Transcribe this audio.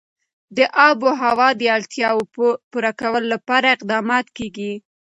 د آب وهوا د اړتیاوو پوره کولو لپاره اقدامات کېږي.